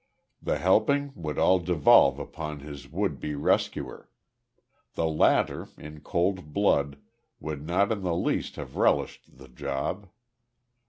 The helping would all devolve upon his would be rescuer. The latter, in cold blood, would not in the least have relished the job.